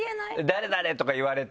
「誰々！」とか言われて。